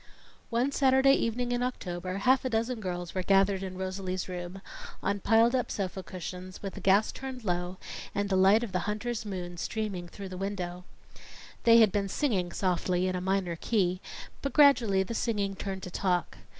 One Saturday evening in October, half a dozen girls were gathered in Rosalie's room, on piled up sofa cushions, with the gas turned low and the light of the hunter's moon streaming through the window. They had been singing softly in a minor key, but gradually the singing turned to talk.